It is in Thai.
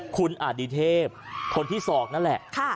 คุณอดิเทพคนที่ศอกนั่นแหละ